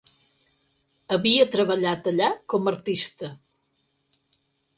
Havia treballat allà com artista.